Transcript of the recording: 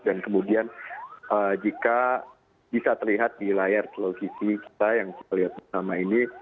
dan kemudian jika bisa terlihat di layar televisi kita yang kita lihat bersama ini